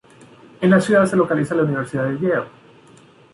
En la ciudad se localiza la Universidad de Yale.